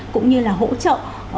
cũng như là hỗ trợ